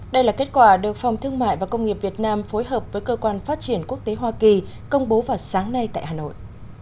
đây là kết quả được phòng thương mại và công nghiệp việt nam phối hợp với cơ quan phát triển quốc tế hoa kỳ công bố vào sáng nay tại hà nội